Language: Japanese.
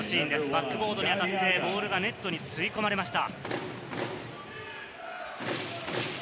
バックボードに当たってボールがネットに吸い込まれました。